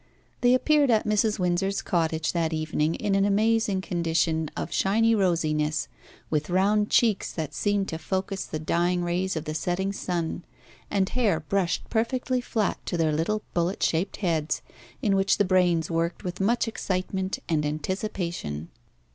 They appeared at Mrs. Windsor's cottage that evening in an amazing condition of shiny rosiness, with round cheeks that seemed to focus the dying rays of the setting sun, and hair brushed perfectly flat to their little bullet shaped heads, in which the brains worked with much excitement and anticipation.